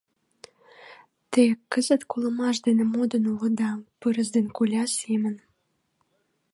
Те кызыт колымаш дене модын улыда, пырыс ден коля семын.